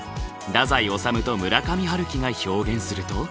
太宰治と村上春樹が表現すると。